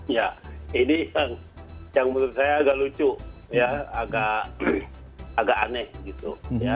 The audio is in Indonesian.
ya ini yang menurut saya agak lucu ya agak aneh gitu